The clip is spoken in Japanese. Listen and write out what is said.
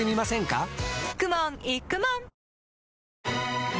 かくもんいくもん